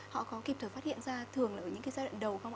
họ có kịp thử phát hiện ra thường là ở những giai đoạn đầu không